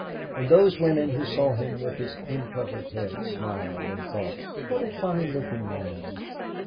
And those women who saw him with his uncovered head smiled, and thought: '.hat a fine looking man!'